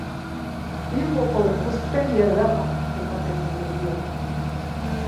Bilboko ikuspegi ederra ematen du mendi honek.